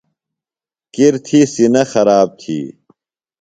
کِر تھی سِینہ خراب تھی۔